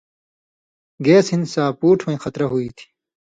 گیس ہِن ساپوٹ ہویں خطرہ ہُوئ تھی